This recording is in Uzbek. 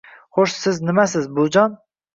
- Xo'sh, siz nimasiz, buvijon!